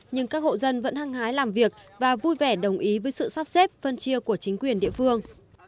nhưng các hộ dân vẫn hăng hái làm việc và vui vẻ đồng ý với sự sắp xếp phân chia của chính quyền địa phương